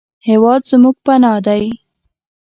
هېواد زموږ پناه دی